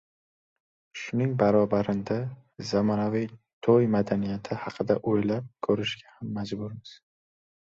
Shuning barobarinda, zamonaviy to‘y madaniyati haqida o‘ylab ko‘rishga ham majburmiz.